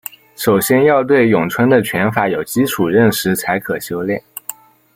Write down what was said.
首先要对咏春的拳法有基础认识才可修练。